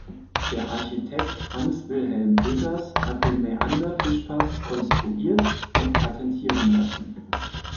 Der Architekt Hans Wilhelm Peters hat den Mäander-Fischpass konstruiert und patentieren lassen.